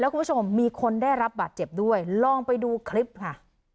คุณผู้ชมมีคนได้รับบาดเจ็บด้วยลองไปดูคลิปค่ะ